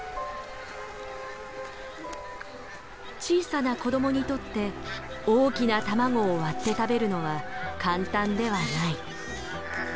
小さな子どもにとって大きな卵を割って食べるのは簡単ではない。